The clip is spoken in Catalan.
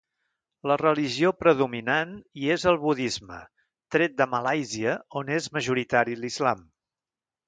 La religió predominant hi és el budisme, tret de Malàisia, on és majoritari l'islam.